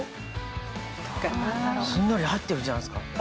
すんなり入ってるじゃないですか。